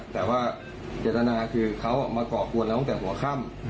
แต่ว่าเจตนาคือเขามาก่อกวนเราตั้งแต่หัวค่ำ